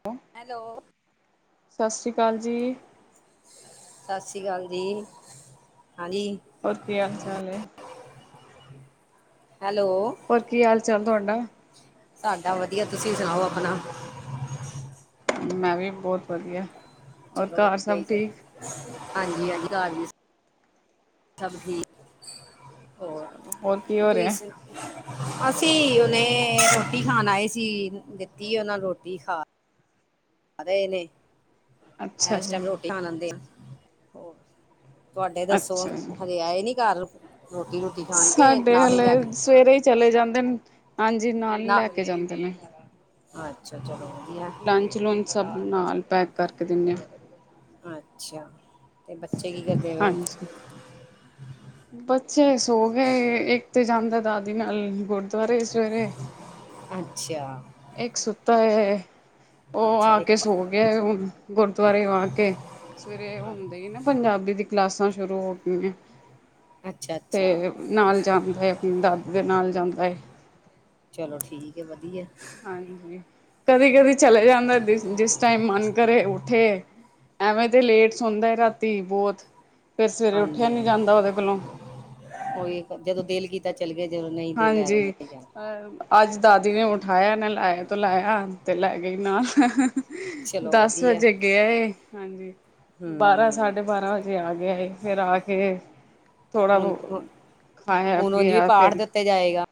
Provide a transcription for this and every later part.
[unintelligible] Hello. ਸਤਿ ਸ਼੍ਰੀ ਅਕਾਲ ਜੀ। ਸਤਿ ਸ਼੍ਰੀ ਅਕਾਲ ਜੀ। ਹਾਂਜੀ ਹੋਰ ਕੀ ਹਾਲ ਚਾਲ ਐ? ਹੈਲੋ। ਹੋਰ ਕੀ ਹਾਲ ਚਾਲ ਤੁਹਾਡਾ? ਸਾਡਾ ਵਧੀਆ ਤੁਸੀਂ ਸੁਣਾਓ ਆਪਣਾ? ਮੈਂ ਵੀ ਬੋਤ ਵਧੀਆ਼। ਚਲੋ ਵਧੀਆ ਈ ਚਾਹੀਦਾ ਹਾਂਜੀ-ਹਾਂਜੀ ਘਰ, ਸਭ ਠੀਕ ਹੋਰ ਚਲੋ ਹੋਰ ਕੀ ਹੋ ਤੁਸੀਂ ਰਿਹਾ ਸੁਣਾਓ? ਅਸੀਂ ਹੁਨੇ ਰੋਟੀ ਖਾਣ ਆਏ ਸੀ ਦਿੱਤੀ ਉਹਨਾਂ ਰੋਟੀ ਖਾ ਰਹੇ ਨੇ ਅੱਛਾ ਇਸ ਜੀ ਟਾਈਮ ਰੋਟੀ ਖਾਣ ਲੈਂਦੇ ਆ ਹੋਰ, ਤੁਹਾਡੇ ਦੱਸੋ ਅੱਛਾ ਜੀ ਹਲੇ ਆਏ ਨੀ ਘਰ ਰੋਟੀ ਰੂਟੀ ਖਾਣ ਕੇ ਸਾਡੇ ਨਾਲ ਈ ਹਲੇ ਲੈਗੇ ਨੇ ਸਵੇਰੇ ਹੀ ਚਲੇ ਜਾਂਦੇ ਨੇ ਹਾਂਜੀ ਨਾਲ ਈ ਨਾ ਲੈ ਕੇ ਜਾਂਦੇ ਨੇ਼। ਅੱਛਾ ਚਲੋ ਵਧੀਆ। ਲੰਚ ਲੂੰਚ ਸਭ ਨਾਲ ਪੈਕ ਕਰਕੇ ਦੀਨੇ ਆ। ਅੱਛਿਆ, ਤੇ ਬੱਚੇ ਕੀ ਕਰਦੇ ਪਏ? ਹਾਂਜੀ ਬੱਚੇ ਸੋ ਗੇ ਇੱਕ ਤੇ ਜਾਂਦਾ ਦਾਦੀ ਨਾਲ ਗੁਰਦੁਆਰੇ ਸਵੇਰੇ। ਅੱਛਿਆ, ਇੱਕ ਸੁੱਤਾ ਐ ਓ ਅੱਛਾ ਆ ਇੱਕ ਕੇ ਪ- ਸੋ ਗਿਆ ਹੁਣ ਗੁਰਦੁਆਰਿਓ ਆ ਕੇ ਸਵੇਰੇ ਹੁੰਦੇ ਈ ਨਾ ਪੰਜਾਬੀ ਦੀ ਕਲਾਸਾਂ ਸ਼ੁਰੂ ਹੋ ਗਈਆਂ। ਅੱਛਾ ਅੱਛਾ ਤੇ ਨਾਲ ਜਾਂਦਾ ਐ ਆਪਣੀ ਦਾਦੀ ਦੇ ਨਾਲ ਜਾਂਦਾ ਐ। ਚਲੋ ਠੀਕ ਐ ਵਧੀਆ। ਹਾਂਜੀ ਕਦੀ, ਕਦੀ ਚਲੇ ਜਾਂਦਾ ਜਿਸ ਟਾਈਮ ਮਨ ਕਰੇ ਉੱਠੇ ਐਵੇਂ ਤੇ ਲੇਟ ਸੌਂਦਾ ਰਾਤੀ ਬਹੁਤ ਫੇਰ ਸਵੇਰੇ ਉੱਠਿਆ ਨੀ ਜਾਂਦਾ ਉਹਦੇ ਕੋਲੋਂ। ਉਹੀ ਜਦੋਂ ਦਿਲ ਕੀਤਾ ਤਾਂ ਚਲ ਗਏ ਜਦੋਂ ਨਈ ਹਾਂਜੀ। ਅੱਜ ਦਾਦੀ ਨੇ ਉਠਾਇਆ ਨਹਿਲਾਇਆ ਧੋਲਾਇਆ ਤੇ ਲੈ ਗੀ ਨਾਲ। ਚਲੋ ਦਸ ਵਧੀਆ ਵਜੇ ਗਿਆ ਏ ਹਾਂਜੀ ਹੂੰ ਬਾਰਾਂ ਸਾ ਸਾਢੇ ਬਾਰਾਂ ਵਜੇ ਆ ਗਿਆ ਏ ਫੇਰ ਆ ਕੇ ਥੋੜਾ ਹੁਣ ਖਾਇਆ ਹੁਣ ਉਂਝ ਵੀ ਪੀਆ ਪਾਠ ਫੇਰ ਦਿੱਤੇ ਜਾਏਗਾ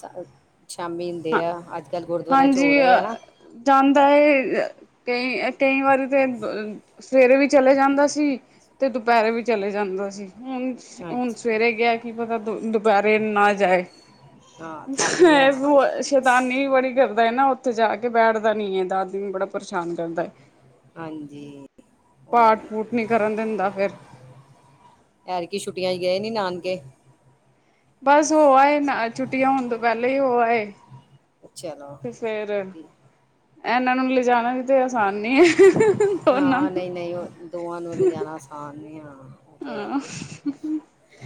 ਸ਼ ਸ਼ਾਮੀ ਹੁੰਦੇ ਹਾਂ ਆ, ਅੱਜ ਕੱਲ ਗੁਰਦੁਆਰਿਆਂ ਚ ਹੋ ਹਾਂਜੀ ਰੇ ਆ ਨਾ ਜਾਂਦਾ ਏ ਤੇ ਕਈ ਵਾਰੀ ਤੇ ਸਵੇਰੇ ਵੀ ਚਲੇ ਜਾਂਦਾ ਸੀ, ਤੇ ਦੁਪਹਿਰੇ ਵੀ ਚਲੇ ਜਾਂਦਾ ਸੀ ਹੁਣ ਹੁਣ ਅੱਛਾ ਸਵੇਰੇ ਗਿਆ ਕੀ ਪਤਾ ਦੁਪਹਿਰੇ ਨਾ ਜਾਏ ਹਾਂ ਥੱਕ ਗਿਆ ਨਾ ਵੇ [unintelligible] ਸ਼ੈਤਾਨੀ ਵੀ ਬੜੀ ਕਰਦਾ ਨਾ ਉੱਥੇ ਜਾ ਕੇ, ਬੈਠਦਾ ਨੀ ਐ ਦਾਦੀ ਨੂੰ ਬੜਾ ਪਰੇਸ਼ਾਨ ਕਰਦਾ। ਹਾਂਜੀ ਹੋਰ ਪਾਠ ਪੁਠ ਨੀ ਕਰਨ ਦਿੰਦਾ ਫੇਰ ਐਤਕੀ ਛੁੱਟੀਆਂ ਚ ਗਏ ਨੀ ਨਾਨਕੇ? ਬਸ ਹੋ ਆਏ ਨਾ ਛੁੱਟੀਆਂ ਹੋਣ ਤੋਂ ਪਹਿਲਾਂ ਈ ਹੋ ਆਏ। ਚਲੋ ਤੇ ਫੇਰ ਵਧੀਆ ਇਹਨਾਂ ਨੂੰ ਲਿਜਾਣਾ ਵੀ ਤੇ ਅਸਾਨ ਨੀ ਐ ਦੋਨਾਂ ਹਾਂ ਨੂੰ ਨਹੀਂ ਨਹੀਂ ਉਹ ਦੋਵਾਂ ਨੂੰ ਲਿਜਾਣਾ ਆਸਾਨ ਨਹੀਂ ਹਾਂ ਉਹ ਤੇ ਹੈ ਆ। ਹੀ ਹੈ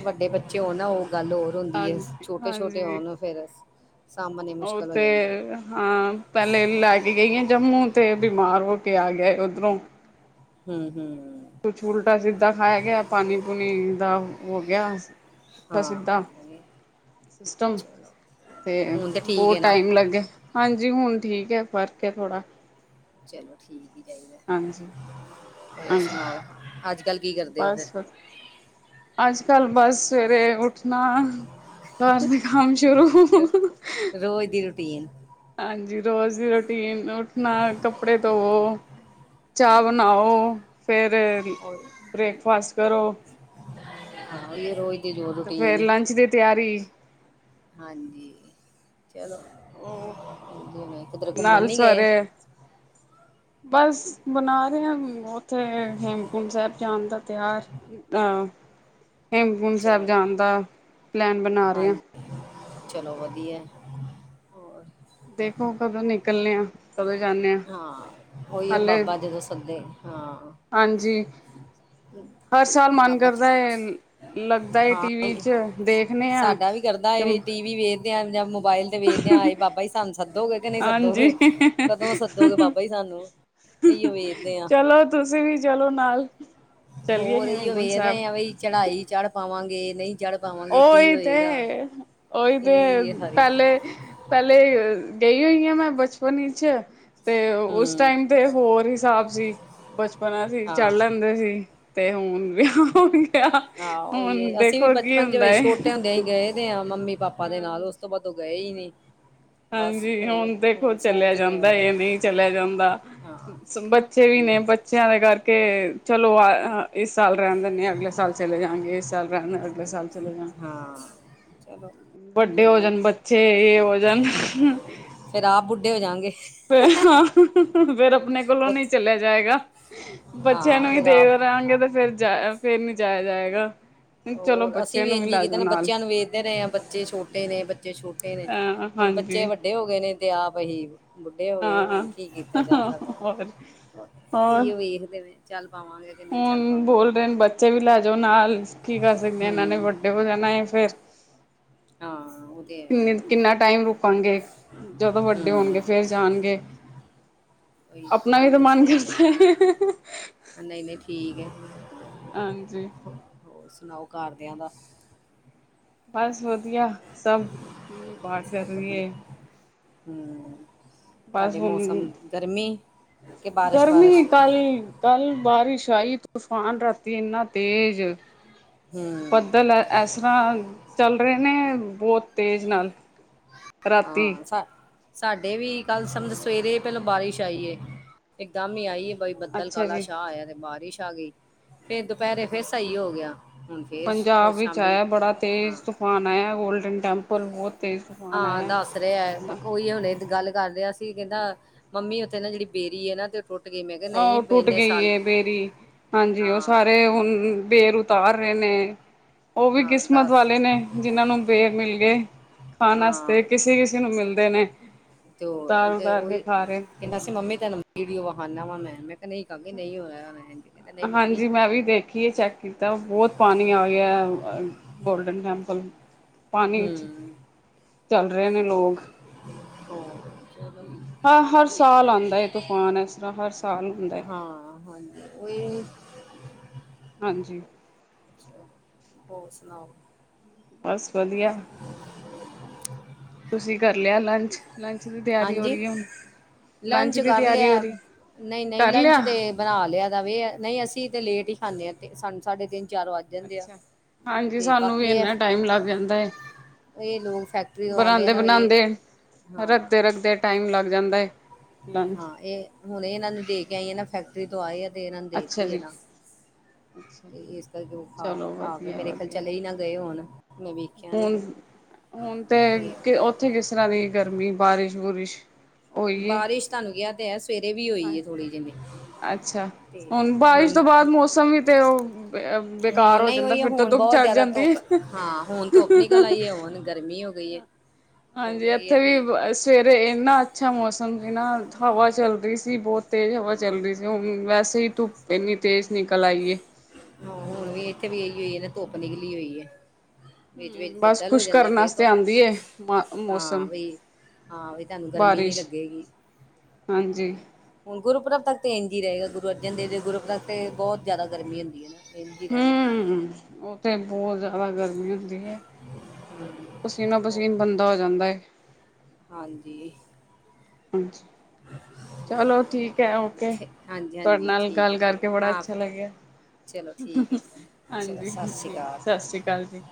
ਵੱਡੇ ਬੱਚੇ ਹੋਣ ਨਾ ਓ ਗੱਲ ਹੋਰ ਹੁੰਦੀ ਐ। ਹਾਂਜੀ ਛੋਟੇ, ਛੋਟੇ ਹਾਂਜੀ ਹੋਣ ਫੇਰ ਸਾਂਭਣੇ ਉਹ ਮੁਸ਼ਕਿਲ ਹੋ ਤੇ ਜਾਂਦੇ ਆ। ਹਾਂ ਪਹਿਲੇ ਲੈ ਕੇ ਗਈ ਆ ਜੰਮੂ ਤੇ ਬਿਮਾਰ ਹੋ ਕੇ ਆ ਗੇ ਉੱਧਰੋਂ। ਹੂੰ ਹੂੰ ਕੁਛ ਉਲਟਾ ਸਿੱਧਾ ਖਾਇਆ ਗਿਆ, ਪਾਣੀ ਪੂਣੀ ਦਾ ਹੋਗਿਆ। ਅੱਛਾ, [unintelligible] ਸਿਸਟਮ ਤੇ ਹੁਣ ਤਾਂ ਠੀਕ ਹੈ ਬਹੁਤ ਨਾ ਟਾਈਮ ਲਾਗਿਆ। ਹਾਂਜੀ ਹੁਣ ਠੀਕ ਐ, ਫ਼ਰਕ ਏ ਥੋੜਾ। ਚਲੋ ਠੀਕ ਈ ਚਾਹੀਦਾ। ਹਾਂਜੀ ਹੋਰ ਹਾਂਜੀ ਸੁਣਾਓ ਅੱਜ ਕੱਲ ਕੀ ਕਰਦੇ ਓ ਫੇਰ? ਬਸ ਅੱਜ ਕੱਲ੍ਹ ਬਸ ਸਵੇਰੇ ਉੱਠਣਾ ਘਰ ਦੇ ਕੰਮ ਸ਼ੁਰੂ ਤਿਨ ਹਾਂਜੀ, ਰੋਜ਼ ਦੀ ਰੂਟੀਨ ਉੱਠਣਾ ਕੱਪੜੇ ਧੋਵੋ। ਹਾਂ ਚਾਹ ਬਣਾਓ ਫਿਰ ਉਹ ਬ੍ਰੇਕਫਾਸਟ ਕਰੋ। ਹਾਂ ਇਹ ਰੋਜ਼ ਦੀ ਜੋ ਤੇ ਰੂਟੀਨ ਫੇਰ ਹੈ ਲੰਚ ਦੀ ਤਿਆਰੀ ਹਾਂਜੀ, ਚਲੋ ਉਹ ਜਿਵੇਂ ਕਿਧਰੇ ਘੁੰਮਣ ਨਾਲ ਨੀ ਗੇ। ਸਵੇਰੇ ਬਸ ਬਣਾ ਰੇ ਆ ਉੱਥੇ ਹੇਮਕੁੰਟ ਸਾਹਿਬ ਜਾਣ ਦਾ ਤਿਹਾਰ ਅ, ਹੇਮਕੁੰਟ ਸਾਹਿਬ ਚਲੋ ਜਾਣ ਦਾ, ਪਲੈਨ ਬਣਾ ਰਹੇਹਾ। ਹਾਂਜੀ ਚਲੋ ਵਧੀਆ ਏ। ਦੇਖੋ ਕਦੋਂ ਨਿਕਲਣੇ ਆ। ਕਦੋਂ ਜਾਂਦੇ ਹਾਂ। ਉਹੀ ਹਾਲੇ ਬਾਬਾ ਜਦੋਂ ਸੱਦੇ। ਹਾਂ। ਹਾਂਜੀ ਹਰ ਸਾਲ ਮਨ ਬਾਬਾ ਜੀ, ਕਰਦਾ ਹੈ ਲੱਗਦਾ ਹੈ ਹਾਂ। ਟੀ ਵੀ ਉਹੀ ਚ ਦੇਖਣੇ ਆ ਸਾਡਾ ਵੀ ਕਰਦਾ ਤੇ ਵੈ ਟੀ ਵੀ ਵੇਖਦੇ ਹਾ ਜਾਂ ਮੋਬਾਇਲ ਤੇ ਵੇਖਦੇ ਆਏ ਬਾਬਾ ਜੀ ਸਾਨੂੰ ਸੱਦੋਗੇ ਕਿ ਨਹੀਂ ਹਾਂਜੀ ਸੱਦੋਗੇ, ਕਦੋਂ ਸੱਦੋਗੇ ਬਾਬਾ ਜੀ ਸਾਨੂੰ। ਇਹੀਓ ਵੇਖਦੇ ਹਾਂ। ਚਲੋ ਤੁਸੀਂ ਵੀ ਚਲੋ ਨਾਲ। ਚਲੀਏ ਹੋਰ ਇਹੀ ਹੇਮਕੁੰਟ ਵੇਰ ਸਾਹਿਬ ਰਹੇ ਆ ਬਈ ਚੜਾਈ ਚੜ੍ਹ ਪਾਵਾਂਗੇ ਨਹੀਂ ਚੜ ਉਹੀ ਹੀ ਤੇ, ਉਹੀ ਤੇ ਇਹ ਹੀ ਹੈ ਸਾਰੀ ਪਹਿਲੇ ਪਹਿਲੇ, ਗਈ ਹੋਈ ਹਾਂ ਮੈਂ ਬਚਪਨ ਵਿੱਚ। ਤੇ ਉਸ ਹੂੰ ਟਾਈਮ ਤੇ ਹੋਰ ਹਿਸਾਬ ਸੀ, ਬਚਪਨਾ ਸੀ ਹਾਂ ਚੜ ਲੈਂਦੇ ਸੀ। ਤੇ ਹੁਣ ਵਿਆਹ ਗਿਆ ਹਾਂ। ਉਹੀ ਹੁਣ ਹੀ ਅਸੀਂ ਵੀ ਦੇਖੋ ਬ ਕੀ ਪੰਜ ਹੁੰਦਾ ਵਜੇ, ਏ ਛੋਟੇ ਹੁੰਦੇਿਆਂ ਹੀ ਗਏ ਤੇ ਆ ਮੰਮੀ- ਪਾਪਾ ਦੇ ਨਾਲ ਉਸ ਤੋਂ ਬਾਅਦ ਉਹ ਗਏ ਹੀ ਨੀ। ਹਾਂਜੀ। ਹੁਣ ਦੇਖੋ, ਚਲਿਆ ਜਾਂਦਾ ਮੈਂ ਇਹ ਨਹੀਂ ਚਲਿਆ ਜਾਂਦਾ। ਹਾਂ ਬੱਚੇ ਵੀ ਉਹੀਓ, ਨੇ ਬ ਬੱਚਿਆਂ ਦੇ ਕਰਕੇ, ਚਲੋ ਆ ਇਸ ਸਾਲ ਰਹਿਣ ਦਿੰਦੇ ਅਗਲੇ ਸਾਲ ਚਲੇ ਜਾਗੇ, ਇਸ ਸਾਲ ਰਹਿਣ ਅਗਲੇ ਸਾਲ ਚੱਲਗਾ। ਹਾਂ। ਚਲੋ ਵੱਡੇ ਚਲੋ ਹੋ ਜਾਣ ਵੇਖੋ ਬੱਚੇ ਇਹ ਹੋ ਜਾਣ। ਫੇਰ ਆਪ ਬੁੱਢੇ ਹੋ ਜਾਗੇ। ਰੇ [unintelligible] ਆਪਣੇ ਕੋਲੋਂ ਨਹੀਂ ਚਲਿਆ ਜਾਏਗਾ। ਬੱਚਿਆਂ ਨੂੰ ਹਾਂ ਵੀ ਫਿਰ ਦੇ ਆਪ ਰਹਾਂਗੇ ਤੇ ਫਿਰ ਜਾਇ ਫੇਰ ਵੀ ਜਾਇਆ ਜਾਏਗਾ। ਚਲੋ ਹੋਰ, ਅਸੀਂ ਬੱਚਿਆਂ ਵੀ ਨੂੰ ਇੰਝ ਹੀ ਲੈ ਕਿਤੇ ਜਾਓ ਨਾ ਨਾਲ ਬੱਚਿਆਂ ਨੂੰ ਵੇਖਦੇ ਰਹੇ ਹਾਂ, ਬੱਚੇ ਛੋਟੇ ਨੇ ਬੱਚੇ ਛੋਟੇ ਨੇ ਅ ਹੁਣ ਬੱਚੇ ਹਾਂਜੀ। ਵੱਡੇ ਹੋ ਗਏ ਨੇ ਦੇ ਆਪ ਅਸੀਂ ਬੁੱਢੇ ਹੋ ਗਏ ਹਾਂ ਹੁਣ ਕੀ ਕੀਤਾ ਜਾ ਹੋਰ ਸਕਦਾ। ਹੋਰ ਇ ਵੇਖ ਦੇਵੇ ਚੱਲ ਪਾਵਾਂਗੇ। ਕਿ ਨਹੀਂ ਹੁਣ ਚੱਲ ਪਾਵਾਂਗੇ ਬੋਲ ਰਹੇ ਨੇ ਬੱਚੇ ਵੀ ਲੈ ਜਾਓ ਨਾਲ, ਕੀ ਕਰ ਸਕਦੇ ਇਹਨਾਂ ਨੇ ਹੂੰ ਵੱਡੇ ਹੋ ਜਾਣਾ ਹੈ ਫੇਰ ਹਾਂ। ਉਹ ਤੇ ਹੈ ਹੀ ਕਿੰਨੇ ਹੈ। ਕਿੰਨਾ ਟਾਈਮ ਰੁਕਾਂਗੇ। ਜਦੋਂ ਵੱਡੇ ਹੋਣਗੇ ਹੂੰ ਫਿਰ ਜਾਣਗੇ। ਉਹੀ, ਆਪਣਾ ਵੀ ਨਹੀਂ ਤਾਂ ਨਹੀਂ ਮਨ ਸਹੀ ਕਰਦਾ ਹੈ। ਨਹੀਂ- ਨਹੀਂ ਠੀਕ ਹੈ। ਹਾਂਜੀ। ਹੋਰ ਸੁਣਾਓ ਘਰਦਿਆਂ ਦਾ? ਬਸ ਵਧੀਆ ਸਭ, ਮੰਮੀ ਪਾਠ ਕਰ ਰਹੀ ਹੈ। ਹੂ, ਬਸ ਤੁਹਾਡੇ ਹੁਣ ਮੌਸਮ ਗਰਮੀ ਕਿ ਬਾਰਿਸ਼- ਬਾਰਿਸ਼। ਹੱਲੀ ਕੱਲ ਬਾਰਿਸ਼ ਆਈ, ਤੂਫਾਨ ਰਾਤੀ ਇੰਨਾ ਤੇਜ਼ ਹੂੰ ਦਲ ਇਸ ਤਰ੍ਹਾਂ ਚੱਲ ਰਹੇ ਨੇ, ਬਹੁਤ ਤੇਜ਼ ਨਾਲ। ਰਾਤੀ ਹਾਂ ਸ ਸਾਡੇ ਵੀ ਕੱਲ ਸਮਝ ਸਵੇਰੇ ਪਹਿਲਾਂ ਬਾਰਿਸ਼ ਆਈ ਏ। ਇਕਦਮ ਹੀ ਆਈ ਬਾਈ ਬੱਦਲ ਅੱਛਾ ਕਾਲਾ ਜੀ ਸ਼ਾਹ ਆਇਆ ਤੇ ਬਾਰਿਸ਼ ਆ ਗਈ। ਫੇਰ ਦੁਪਹਿਰੇ ਫੇਰ ਸਹੀ ਹੋ ਗਿਆ ਹੁਣ ਫੇਰ ਸ਼ਾਮੀ ਹਾਂ। ਫਾਨ ਆਇਐ ਗੋਲਡਨ ਟੈਂਪਲ ਬਹੁਤ ਤੇਜ਼ ਤੁਫਾਨ ਆਇਐ। [unintelligible] ਓਈ ਹੁਣੇ ਗੱਲ ਕਰ ਰਿਹਾ ਸੀ ਕਹਿੰਦਾ ਮੰਮੀ ਉੱਥੇ ਨਾ ਜਿਹੜੀ ਬੇਰੀ ਹੈ ਨਾ ਤੇ ਗਈ ਮੈਂ ਕਿਹਾ ਆਹੋ ਨਹੀਂ ਟੁੱਟ ਇੰਨੇ ਗਈ ਸਾਲ ਏ ਬੇਰੀ ਹਾਂਜੀ ਉਹ ਹਾਂ ਸਾਰੇ ਹੁਣ ਬੇਰ ਉਤਾਰ ਰਹੇ ਨੇ ਉਹ ਵੀ ਹਾਂ ਕਿਸਮਤ ਦੱਸ ਵਾਲੇ ਨੇ ਜਿਨਾਂ ਨੂੰ ਬੇਰ ਮਿਲ ਗਏ। ਖਾਣ ਆਸਤੇ ਹਾਂ ਕਿਸੀ ਕਿਸੀ ਨੂੰ ਮਿਲਦੇ ਨੇ ਤੇ ਉਹ ਉਤਾਰ ਤੇ ਉਤਾਰ ਕੇ ਉਹੀ ਖਾ ਰਹੇ। ਕਹਿੰਦਾ ਸੀ ਮੰਮੀ ਤਾਨੂੰ ਵੀਡੀਓ ਵਹਾਨਾ ਵਾ ਮੈਂ ਮੈਂ ਕਿਹਾ ਨਹੀਂ ਕਾਕੇ ਨਹੀਂ ਹੋਆ ਹੋਣਾ ਇੰਝ ਕਹਿੰਦਾ ਨਹੀਂ ਮੰਮੀ। ਹਾਂਜੀ ਮੈਂ ਵੀ ਦੇਖ ਖੀਏ ਚੈੱਕ ਕੀਤਾ ਬਹੁਤ ਪਾਣੀ ਆ ਗਿਐਂ ਗੋਲਡਨ ਟੈਂਪਲ। ਪਾਣੀ ਵਿੱਚ ਹੂੰ ਚੱਲ ਰਹੇ ਨੇ ਲੋਕ। ਹੋਰ। ਹਾਂ ਹਰ ਸਾਲ ਆਉਂਦਾ ਹੈ ਤੂਫਾਨ ਇਸ ਤਰ੍ਹਾਂ ਹਰ ਸਾਲ ਹੁੰਦਾ ਹੈ ਹਾਂ ਹਾਂਜੀ। ਉਹੀਓ ਈ ਹਾਂਜੀ। [unintelligible] ਹੋਰ ਸੁਣਾਓ ਬਸ ਵਧੀਆ ਤੁਸੀਂ ਕਰ ਲਿਆ ਲੰਚ ਲੰਚ ਦੀ ਤਿਆਰੀ ਹੋ ਹਾਂਜੀ ਰਹੀ ਹੈ ਹੁਣ ਲੰਚ ਦੀ ਕਰ ਤਿਆਰੀ ਹੋ ਲਿਆ ਰਹੀ ਨਹੀਂ ਨਹੀਂ ਕਰ ਲਿਆ ਲੰਚ ਤੇ ਬਣਾ ਲਿਆ ਦਾ ਵੇ ਨਹੀਂ ਅਸੀਂ ਤੇ ਲੇਟ ਹੀ ਖਾਂਨੇ ਆਂ ਤੇ ਸਾਨੂੰ ਸਾਢੇ ਤਿੰਨ ਚਾਰ ਵੱਜ ਜਾਂਦੇ ਆ ਅੱਛਾ ਹਾਂਜੀ ਤੇ ਸਾਨੂੰ ਵੀ ਬਾਕੀ ਇਹ ਇਨਾ ਟਾਈਮ ਲੱਗ ਜਾਂਦਾ ਏ। ਇਹ ਲੋਕ ਫੈਕਟਰੀ ਤੋਂ ਆਂਦੇ ਆ ਨਾ ਇਹ ਬਣਾਉਂਦੇ ਹਾਂ ਰੱਖਦੇ ਰੱਖਦੇ ਟਾਈਮ ਲੱਗ ਜਾਂਦੈ। ਹਾਂ ਇਹ ਹੁਣ ਇਹਨਾਂ ਨੂੰ ਦੇ ਕੇ ਆਈ ਆ ਨਾ ਫੈਕਟਰੀ ਤੋਂ ਆਏ ਆ ਨਾ ਤੇ ਇਹਨਾਂ ਨੂੰ ਅੱਛਾ ਦੇਤੀ ਏ ਜੀ ਨਾ। ਅੱਛਾ ਤੇ ਇਸ ਕਰਕੇ ਓਹ ਖਾ ਚਲੋ ਖਾ ਕੇ ਵਧੀਆ ਮੇਰੇ ਖਿਆਲ ਵਧੀਆ ਚਲੇ ਈ ਨਾ ਗਏ ਹੋਣ। ਮੈਂ ਵੇਖਿਆ ਨਹੀਂ ਹੁਣ ਹੁਣ ਤੇ ਉੱਥੇ ਕਿਸ ਤਰ੍ਹਾਂ ਰਹੀ ਗਰਮੀ ਬਾਰਿਸ਼ ਬੂਰੀਸ਼ ਬਾਰਿਸ਼ ਤੁਹਾਨੂੰ ਕਿਹਾ ਤੇ ਹੈ ਸਵੇਰੇ ਵੀ ਹੋਈ ਹਾਂ ਹੈ ਥੋੜ੍ਹੀ ਜਿੰਨੀ ਅੱਛਾ ਤੇ ਬਾਰਿਸ਼ ਹੁਣ ਤੋਂ ਬਾਅਦ ਮੌਸਮ ਵੀ ਤੇ ਉਹ ਬੇਕਾਰ ਹੁਣ ਹੋ ਨਾ ਜਾਂਦਾ ਉਹੀਓ ਫਿਰ ਤਾਂ ਹੁਣ ਧੁੱਪ ਬਹੁਤ ਚੜ ਜਿਆਦਾ ਜਾਂਦੀ ਧੁੱਪ ਹੈ। ਹਾਂ ਹੁਣ ਧੁੱਪ ਨਿਕਲ ਆਈ ਏ ਹੁਣ ਗਰਮੀ ਹੋ ਗਈ ਹੈ ਹੁਣ ਹਾਂਜੀ ਇਹ ਇੱਥੇ ਹੈ ਵੀ ਬਸ ਸਵੇਰੇ ਇੰਨਾ ਅੱਛਾ ਮੌਸਮ ਸੀ ਨਾ ਹਵਾ ਚੱਲ ਰਹੀ ਸੀ ਬਹੁਤ ਤੇਜ਼ ਹਵਾ ਹਾਂ ਚੱਲ ਰਹੀ ਸੀ ਹੁਣ ਵੈਸੇ ਹੀ ਧੁੱਪ ਇੰਨੀ ਤੇਜ਼ ਨਿਕਲ ਆਈਏ। ਆਹੋ ਹੁਣ ਵੀ ਇੱਥੇ ਵੀ ਇਹੀਓ ਈ ਏ ਨਾ ਧੁੱਪ ਨਿਕਲੀ ਹੋਈ ਏ। ਵਿੱਚ ਵਿਚ ਹੂੰ ਬਸ ਬੱਦਲ ਹੋ ਖੁਸ਼ ਜਾਂਦੈ ਕਰਨ ਫੇਰ ਵਾਸਤੇ ਧੁੱਪ ਆਂਦੀ ਏ ਮਾ ਹਾਂ ਮੌਸਮ ਵੇ ਹਾਂ ਉਹੀ ਤੁਹਾਨੂੰ ਗਰਮੀ ਨੀ ਬਾਰਿਸ਼ ਲੱਗੇਗੀ। ਹਾਂਜੀ ਹੁਣ ਗੁਰਪੁਰਬ ਤੱਕ ਤੇ ਇੰਝ ਹੀ ਰਹੇਗਾ ਗੁਰੂ ਅਰਜਨ ਦੇਵ ਦੇ ਗੁਰਪੁਰਖ ਤੇ ਬਹੁਤ ਜਿਆਦਾ ਗਰਮੀ ਹੁੰਦੀ। ਹੁੰਦੀ ਏ ਨਾ ਇੰਝ ਹੀ ਰਹਿਣੈ। ਹਮ ਉਹ ਤੇ ਬਹੁਤ ਗਰਮੀ ਹੁੰਦੀ ਏ ਪਸੀਨੋ ਪਸੀਨ ਬੰਦਾ ਹੋ ਜਾਂਦਾ ਏ। ਹਾਂਜੀ ਹਾਂਜੀ ਚਲੋ ਠੀਕ ਹੈ ਓਕੇ ਠੀ- ਹਾਂਜੀ ਤੁਹਾਡੇ ਹਾਂਜੀ ਨਾਲ ਠੀਕ ਹੈ ਗੱਲ ਠੀਕ ਕਰਕੇ ਹੈ ਬੜਾ ਹਾਂ ਅੱਛਾ ਲੱਗਿਆ। ਚਲੋ ਠੀਕ ਹੈ ਚਲੋ ਹਾਂਜੀ ਸਤਿ ਸ਼੍ਰੀ ਠੀਕ ਹੈ ਅਕਾਲ ਸਤਿ ਸ੍ਰੀ ਅਕਾਲ ਜੀ